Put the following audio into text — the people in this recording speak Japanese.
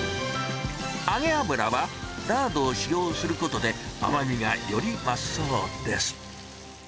揚げ油はラードを使用することで、甘みがより増すそうです。